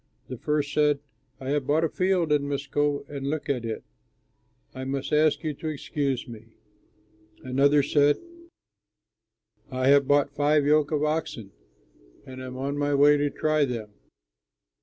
The first said, 'I have bought a field and must go and look at it. I must ask you to excuse me.' Another said, 'I have bought five yoke of oxen and am on my way to try them.